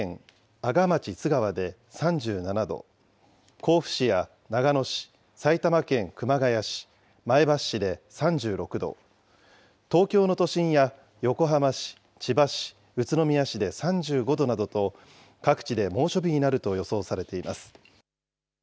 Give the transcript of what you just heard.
阿賀町津川で３７度、甲府市や長野市、埼玉県熊谷市、前橋市で３６度、東京の都心や横浜市、千葉市、宇都宮市で３５度などと、各地で猛暑日になると予想されています。